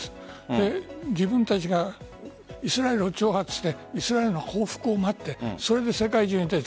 自分たちがイスラエルを挑発してイスラエルの報復を待って世界中に行く。